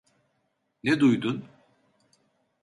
Ne duydun?